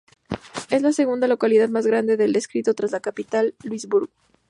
Es la segunda localidad más importante del distrito tras la capital Luisburgo.